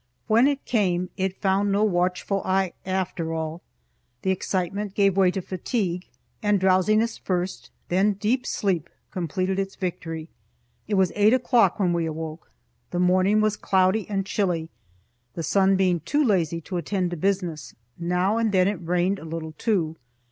When it came, it found no watchful eye, after all. The excitement gave way to fatigue, and drowsiness first, then deep sleep, completed its victory. It was eight o'clock when we awoke. The morning was cloudy and chilly, the sun being too lazy to attend to business; now and then it rained a little, too.